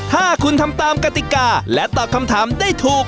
ถ้าคุณทำตามกติกาและตอบคำถามได้ถูก